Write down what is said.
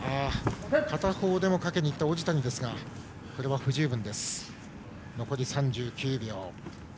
片方でもかけにいった王子谷ですがこれは不十分です。